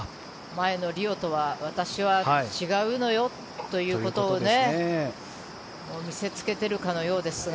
前のリオとは私は違うのよということを見せつけてるかのようですが。